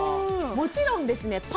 もちろんですね